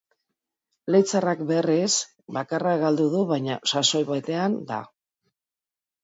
Leitzarrak, berriz, bakarra galdu du, baina sasoi betean da.